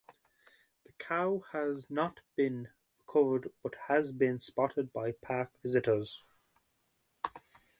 The cow has not been recovered but has been spotted by park visitors.